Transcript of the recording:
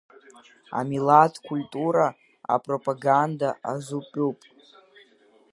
Амилаҭ культура апропаганда азутәуп.